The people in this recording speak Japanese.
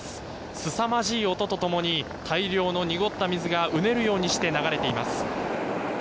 すさまじい音とともに大量の濁った水がうねるようにして流れています。